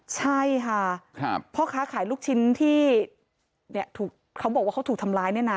ใช่ค่ะพ่อค้าขายลูกชิ้นที่ถูกเขาบอกว่าเขาถูกทำร้ายเนี่ยนะ